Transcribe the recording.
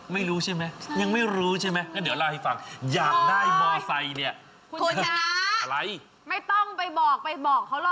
ไม่รู้ใช่ไหมยังไม่รู้ใช่ไหม